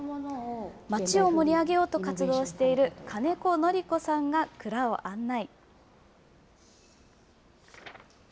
町を盛り上げようと活動している金子典子さんが蔵を案内。